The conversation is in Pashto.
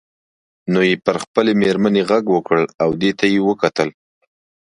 نو یې پر خپلې میرمنې غږ وکړ او دې ته یې وکتل.